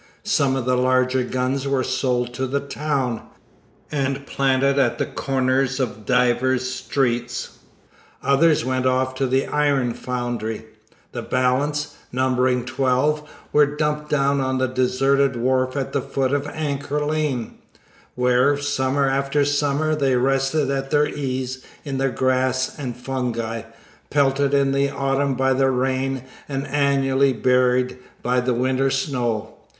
Some of the larger guns were sold to the town, and planted at the corners of divers streets; others went off to the iron foundry; the balance, numbering twelve, were dumped down on a deserted wharf at the foot of Anchor Lane, where, summer after summer, they rested at their ease in the grass and fungi, pelted in autumn by the rain and annually buried by the winter snow.